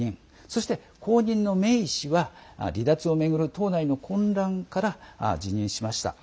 そして、後任のメイ氏は離脱をめぐる党内の混乱から辞任しました。